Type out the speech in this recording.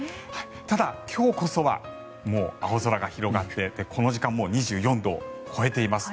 ただ、今日こそはもう青空が広がってこの時間もう２４度を超えています。